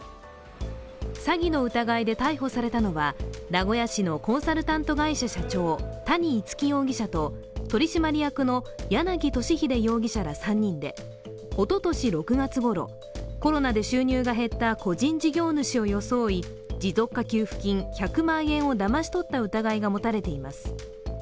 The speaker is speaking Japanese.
詐欺の疑いで逮捕されたのは名古屋市のコンサルタント会社社長、谷逸輝容疑者と取締役の柳俊秀容疑者ら３人でおととし６月ごろ、コロナで収入が減った個人事業主を装い持続化給付金１００万円をだまし取った疑いが持たれています。